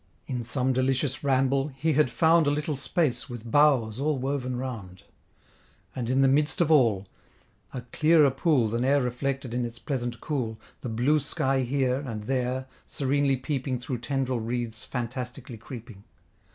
In some delicious ramble, he had found A little space, with boughs all woven round; And in the midst of all, a clearer pool Than e'er reflected in its pleasant cool, The blue sky here, and there, serenely peeping Through tendril wreaths fantastically creeping.